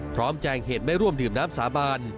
แจงเหตุไม่ร่วมดื่มน้ำสาบาน